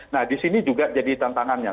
nah di sini juga jadi tantangannya